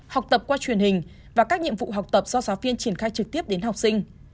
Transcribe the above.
học tập qua truyền hình và các nhiệm vụ học tập do giáo viên triển khai trực tiếp đến học sinh